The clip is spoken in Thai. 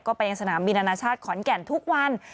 ก็ไปยังสนามบินอนาชาติขอนแก่นทุกวัน